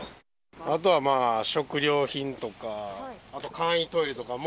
あとはまあ、食料品とか、あと簡易トイレとかも。